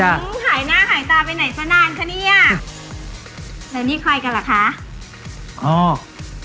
หายหน้าหายตาไปไหนสักนานคะเนี่ยแล้วนี่ใครกันเหรอคะอ๋อ